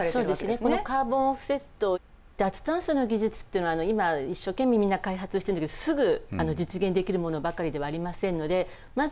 このカーボンオフセット脱炭素の技術っていうのは今一生懸命みんな開発してるんですけどすぐ実現できるものばかりではありませんのでまず